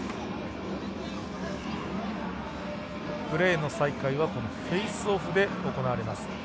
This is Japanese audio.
プレーの再開はフェイスオフで行われます。